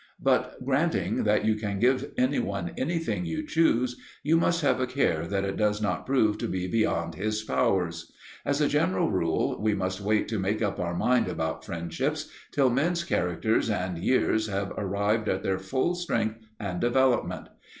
But granting that you can give anyone anything you choose, you must have a care that it does not prove to be beyond his powers. As a general rule, we must wait to make up our mind about friendships till men's characters and years have arrived at their full strength and development.